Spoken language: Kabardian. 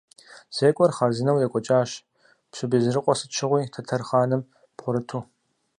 Зекӏуэр хъарзынэу екӏуэкӏащ, пщы Безрыкъуэ сыт щыгъуи тэтэр хъаным бгъурыту.